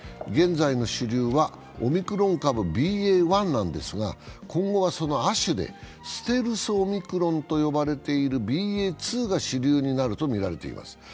現在の主流はオミクロン株ＢＡ．１なんですが今後はその亜種でステルスオミクロンと呼ばれているＢＡ．２が主流になるとみられています。